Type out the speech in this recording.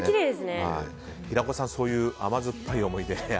平子さんそういう甘酸っぱい思い出